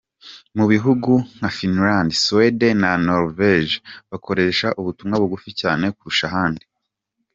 Mu bihugu nka Finland, Suède na Norvège bakoresha ubutumwa bugufi cyane kurusha ahandi.